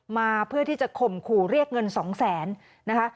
มาเพื่อที่จะข่มขู่เรียกเงินสองแสนนะคะ